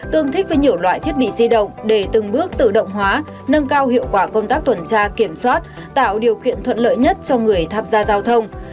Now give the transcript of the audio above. tương thích với nhiều loại thiết bị di động để từng bước tự động hóa nâng cao hiệu quả công tác tuần tra kiểm soát tạo điều kiện thuận lợi nhất cho người tham gia giao thông